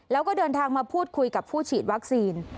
แล้วก็เดินทางมาพูดคุยกับผู้ฉีดวัคซีน